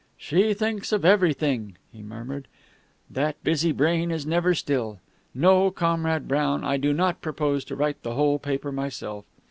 "She thinks of everything," he murmured. "That busy brain is never still. No, Comrade Brown, I do not propose to write the whole paper myself.